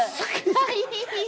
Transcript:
はい。